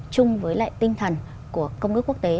chung với lại tinh thần của công ước quốc tế